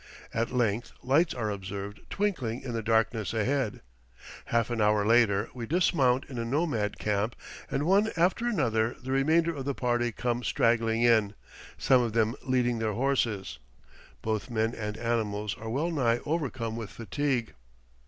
At length lights are observed twinkling in the darkness ahead. Half an hour later we dismount in a nomad camp, and one after another the remainder of the party come straggling in, some of them leading their horses. Both men and animals are well nigh overcome with fatigue.